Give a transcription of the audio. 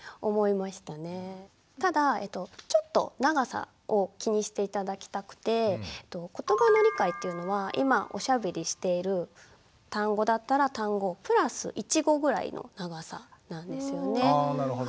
ただちょっと長さを気にして頂きたくてことばの理解っていうのは今おしゃべりしている単語だったら単語プラス１語ぐらいの長さなんですよね。